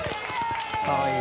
かわいい。